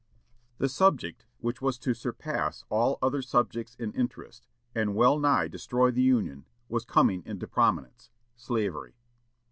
The subject which was to surpass all other subjects in interest, and well nigh destroy the Union, was coming into prominence slavery.